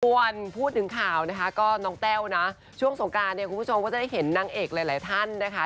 ส่วนพูดถึงข่าวนะคะก็น้องแต้วนะช่วงสงการเนี่ยคุณผู้ชมก็จะได้เห็นนางเอกหลายท่านนะคะ